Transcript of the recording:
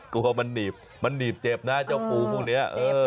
กลัวมันหนีบเจ็บนะเจ้าปูพวกนี้